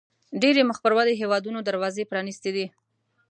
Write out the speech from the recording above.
ډېری مخ پر ودې هیوادونو دروازې پرانیستې دي.